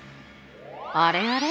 あれあれ？